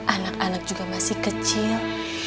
anak anak juga masih kecil